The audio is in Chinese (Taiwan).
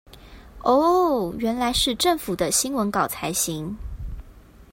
喔喔原來是政府的新聞稿才行